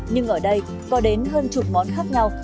nhưng ở đây có đến hơn chục món khác nhau